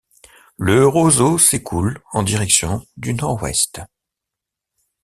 Le Roseau s'écoule en direction du nord-ouest.